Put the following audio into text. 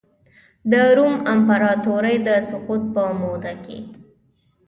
د روم امپراتورۍ د سقوط په موده کې.